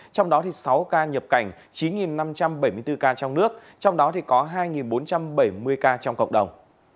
trong đó sáu ca nhập cảnh chín năm trăm bảy mươi bốn ca trong nước trong đó có hai bốn trăm bảy mươi ca trong cộng đồng